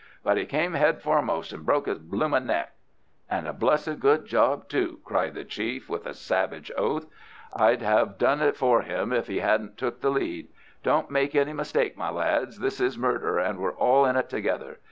"But he came head foremost and broke his bloomin' neck." "And a blessed good job too!" cried the chief, with a savage oath. "I'd have done it for him if he hadn't took the lead. Don't make any mistake, my lads, this is murder, and we're all in it, together.